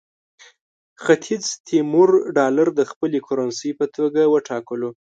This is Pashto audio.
ختیځ تیمور ډالر د خپلې کرنسۍ په توګه وټاکلو.